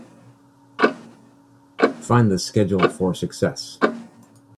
Find the schedule for Success.